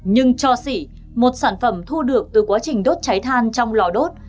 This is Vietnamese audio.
nhưng cho xỉ một sản phẩm thu được từ quá trình đốt cháy than trong lò đốt